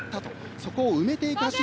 そこを埋めていく走り。